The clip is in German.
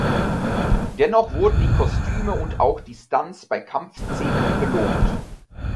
Dennoch wurden die Kostüme und auch die Stunts bei Kampfszenen gelobt.